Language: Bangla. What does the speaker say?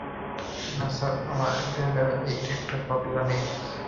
না, স্যার, আমাদের কাছে একটাও কপি নেই।